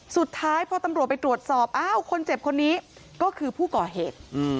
สุดท้ายพอตำรวจไปตรวจสอบอ้าวคนเจ็บคนนี้ก็คือผู้ก่อเหตุ